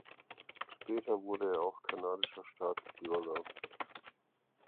Später wurde er auch kanadischer Staatsbürger.